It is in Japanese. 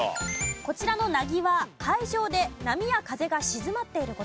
こちらの凪は海上で波や風が静まっている事。